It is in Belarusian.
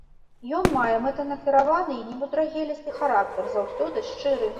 Ён мае мэтанакіраваны і немудрагелісты характар, заўсёды шчыры.